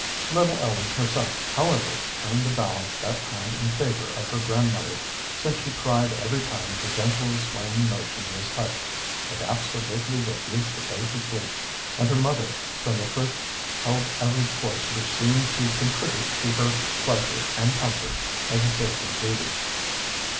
Little Ellen herself, however, turned the balance that time in favor of her grandmother, since she cried every time the gentle, swaying motion was hushed, and absolutely refused to go to sleep, and her mother from the first held every course which seemed to contribute to her pleasure and comfort as a sacred duty.